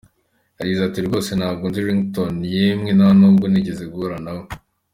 Yagize ati: “Rwose ntabwo nzi Ringtone yemwe nta nubwo nigeze guhura nawe.